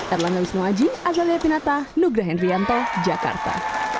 erlanga wisnuaji azalia pinata nugra henrianto jakarta